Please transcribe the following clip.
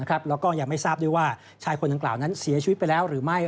แล้วก็ยังไม่ทราบด้วยว่าชายคนดังกล่าวนั้นเสียชีวิตไปแล้วหรือไม่